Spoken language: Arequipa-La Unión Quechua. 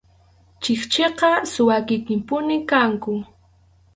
Chikchiqa suwa kikinpunim kanku.